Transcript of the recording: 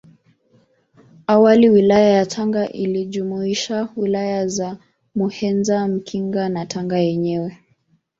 Awali Wilaya ya Tanga ilijumuisha Wilaya za Muheza Mkinga na Tanga yenyewe